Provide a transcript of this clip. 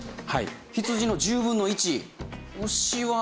羊の１０分の１。